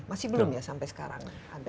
masih belum ya sampai sekarang